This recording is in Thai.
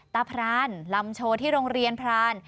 พรานลำโชว์ที่โรงเรียนพราน